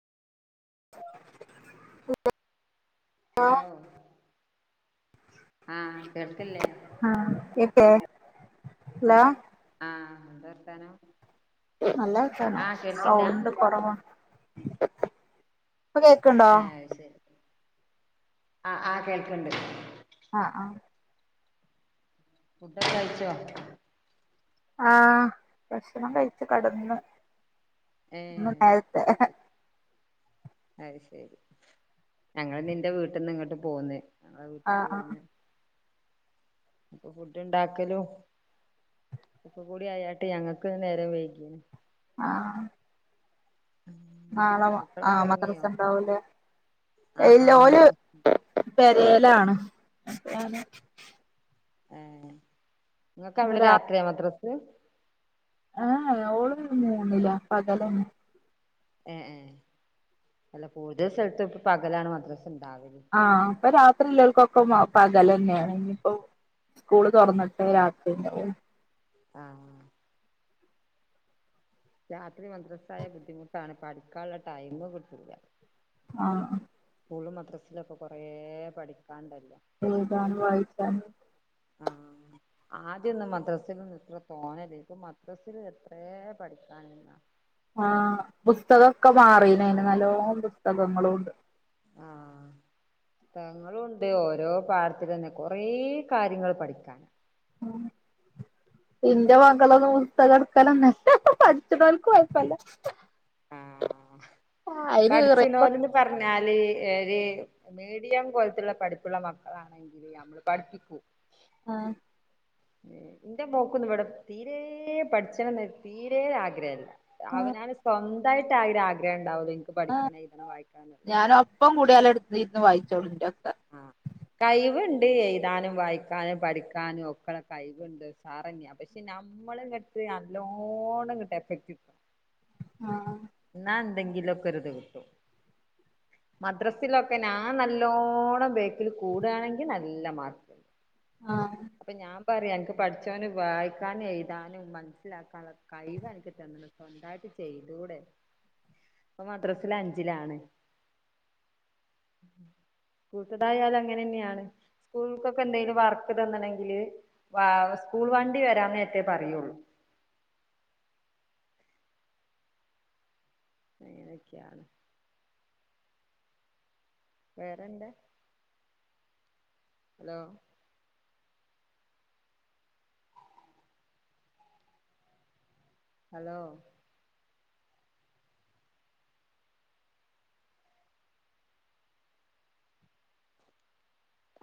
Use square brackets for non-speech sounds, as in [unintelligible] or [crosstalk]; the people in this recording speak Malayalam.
[unintelligible] ഹലോ, ആഹ് കേൾക്കില്ലേ? ആഹ് കേ എന്താ? ആഹ് എന്ത വർത്താനം? നല്ല വർത്താനം. ആഹ് കേൾക്കില്ല സൗണ്ട് കൊറവാണ്. ഇപ്പ കേ ആഹ് അത്ശെരി. ആഹ് ആഹ് കേൾക്കണ്ട്. ആഹ് ആഹ് ഫുഡൊക്കെ കഴിച്ചോ? ആഹ് ഭക്ഷണം കഴിച്ചു കെടന്ന് ഇന്ന് ഏഹ് നേര്ത്തെ അത്ശെരി. ഞങ്ങള്ന്നന്റെ വീട്ട്ന്ന് ഇങ്ങട്ട് പോന്ന്. ഞങ്ങളെ വീട്ട്ക്ക് ആഹ് ആഹ് പോന്ന്. അപ്പൊ ഫുഡ്ണ്ടാക്കലും ഒക്കക്കൂടി ആയാട്ട് ഞങ്ങക്ക് ഇന്ന് നേരം വൈകി. ആഹ് നാളെ മ മക്കളൊക്കെ ആഹ് ഉറങ്ങിയോ മദ്രസണ്ടാവൂലെ? ആഹ് ഇല്ല്യ ആഹ് ഓല് മദ്ര പെരേലാണ് ഏഹ് ഇന്ന് ഇങ്ങക്കവിടെ രാ രാത്രിയാ മദ്രസ്? ഏഹ് ഓള് മൂന്നിലാ. പകലെന്നെ ഏഹ് ഏഹ് അല്ല കൂട്തല് സ്ഥലത്തും ഇപ്പം പകലാണ് മദ്രസ്ണ്ടാവല്. ആഹ് ഇപ്പൊ രാത്രിള്ളോൽക്കൊക്കെ പകലെന്നേണ്. ഇനിപ്പൊ സ്കൂള് തൊറന്ന്ട്ടേ രാത്രിണ്ടാവു. ആഹ് ആഹ് രാത്രി മദ്രസ്സായ ബുദ്ധിമുട്ടാണ്. പഠിക്കാനൊള്ള ടൈമും കിട്ടൂല. ആഹ് ആഹ് സ്കൂൾളും മദ്രസിലൊക്കെ കൊറേ പഠിക്കാണ്ടല്ലോ. എഴ്താനും വായിക്കാനും ആഹ് ആദ്യൊന്നും മദ്രസിലൊന്നും ഇത്ര തോനല്ലേനു. ഇപ്പൊ മദ്രസില് എത്രേ പഠിക്കാന്ള്ളെ. ആഹ് പുസ്തകൊക്കെ മാറീന്ന്ന്. നല്ലോം പുസ്തകങ്ങളുണ്ട്. ആഹ് [inaudible] പുസ്തകങ്ങളുണ്ട് ഓരോ പാഠത്തിലെന്നെ കൊറേ കാര്യങ്ങള് പഠിക്ക്യാണ്ട്. ഉം ഇന്റെ മക്കളൊന്നും പുസ്തകം ഇട്ക്കലെന്നെല്ല്യ. പഠിച്ച്ണോൽക്ക് കൊഴപ്പല്ല. ആഹ്. ആഹ് അയിന് റെയിൻകോട്ട് പഠിച്ച്ണോല്ന്ന് പർഞ്ഞാല് ഒര് മീഡിയം കോൽത്ത്ല്ള്ള പഠിപ്പ്ള്ള മക്കളാണെങ്കി എന്തെയ്യും നമ്മള് പഠിപ്പിക്കും ആഹ് ഇന്റെ മോക്കൊന്നും ഇവടെ തീരെ പഠ്ച്ചണംന്ന് തീരെ ആഗ്രഹല്ല അവനാണ് സ്വന്തായിട്ട് ആഒര് ആഗ്രഹണ്ടാവൂള് ഇൻക്ക് പഠിക്കണം എഴുതണം വായിക്കണന്ന്ള്ളേ ഇപ്പം കൂടിയാല് എട്ത്ത് ഇര്ന്ന് വായിച്ചോളും ഇൻ്റോക്കെ ആഹ് കഴിവ്ണ്ട് എഴ്താനും വായിക്കാനും പഠിക്കാനും ഒക്കെള്ള കഴിവ്ണ്ട് സാറന്യാ പക്ഷെ നമ്മള്ങ്ങട്ട് നല്ലോണങ്ങട്ട് എഫക്റ്റ് ആഹ് ഇന്നാ എന്തെങ്കിലൊക്കെ ഒര്ത് കിട്ടും മദ്രസിലൊക്കെ ഞാൻ നല്ലോണം ബേക്കില് കൂടാണെങ്കി നല്ല മാർക്ക് ആഹ് അപ്പം ഞാം പറയും അൻക്ക് പഠച്ചോന് വായിക്കാനും എഴുതാനും മനസ്സിലാക്കാള്ള കഴിവ് അൻക്ക് തെന്ന്ണ് സ്വന്തായിട്ട് ചെയ്തൂടെ ഇപ്പൊ മദ്രസ്ല് അഞ്ചിലാണ് സ്കൂത്തതായാലും അങ്ങനെ ന്നെയാണ് സ്കൂൾക്കൊക്കെ എന്തേലും വർക്ക് തന്ന്ണെങ്കില് വാ സ്കൂൾ വണ്ടി വെരാന്നേര്ത്തെ പറയൊള്ളൂ അങ്ങനൊക്ക്യാണ് വേറെന്താ ഹലോ ഹലോ